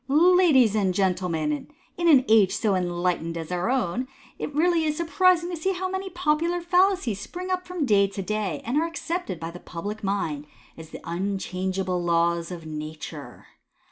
— "Ladies and Gentlemen, — In an age so enlightened as our own, it is really surprising to see how many popular fallacies spring up from day to day, and are accepted by the public mind as unchangeable laws of nature.